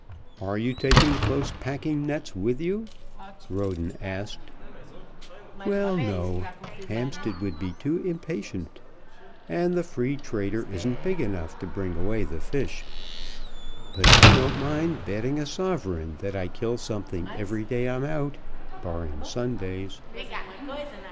"Are you taking close packing nets with you?" Roden asked. "Well, no. Hampstead would be too impatient. And the Free Trader isn't big enough to bring away the fish. But I don't mind betting a sovereign that I kill something every day I'm out, barring Sundays."